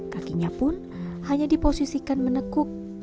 kakinya pun hanya diposisikan menekuk